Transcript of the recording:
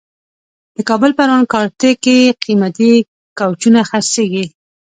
د کابل پروان کارته کې قیمتي کوچونه خرڅېږي.